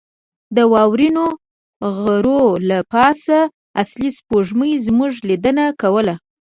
د واورینو غرو له پاسه اصلي سپوږمۍ زموږ لیدنه کوله.